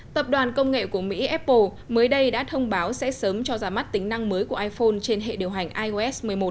tập đoàn công nghệ của mỹ apple mới đây đã thông báo sẽ sớm cho ra mắt tính năng mới của iphone trên hệ điều hành ios một mươi một